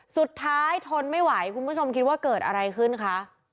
ทนไม่ไหวคุณผู้ชมคิดว่าเกิดอะไรขึ้นคะ